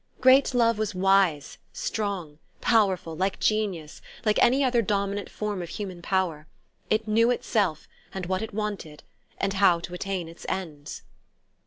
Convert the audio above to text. Great love was wise, strong, powerful, like genius, like any other dominant form of human power. It knew itself, and what it wanted, and how to attain its ends.